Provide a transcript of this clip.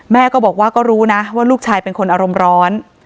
แม่ก็บอกว่าก็รู้นะว่าลูกชายเป็นคนอารมณ์ร้อน